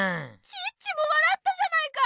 チッチもわらったじゃないか！